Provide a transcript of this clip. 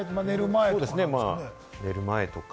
寝る前とか？